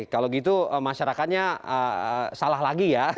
kalau gitu masyarakatnya salah lagi ya